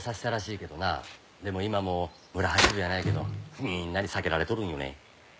でも今も村八分やないけどみんなに避けられとるんよね。